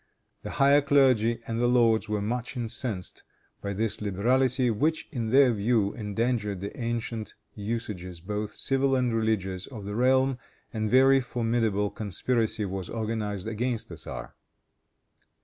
The higher clergy and the lords were much incensed by this liberality, which, in their view, endangered the ancient usages, both civil and religious, of the realm, and a very formidable conspiracy was organized against the tzar.